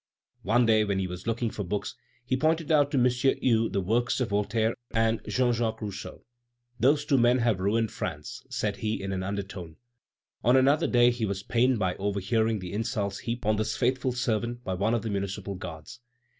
One day when he was looking for books, he pointed out to M. Hue the works of Voltaire and Jean Jacques Rousseau. "Those two men have ruined France," said he in an undertone. On another day he was pained by overhearing the insults heaped on this faithful servant by one of the Municipal Guards.